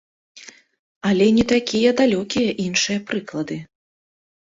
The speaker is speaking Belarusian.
Але не такія далёкія іншыя прыклады.